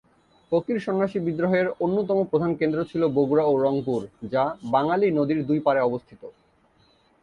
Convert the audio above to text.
ফকির-সন্ন্যাসী বিদ্রোহের অন্যতম প্রধান কেন্দ্র ছিল বগুড়া ও রংপুর, যা বাঙালি নদীর দুই পাড়ে অবস্থিত।